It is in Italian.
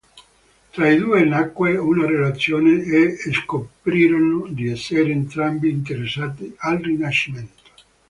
Tra i due nacque una relazione e scoprirono di essere entrambi interessati al Rinascimento.